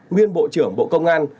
nguyên bộ trưởng bộ công an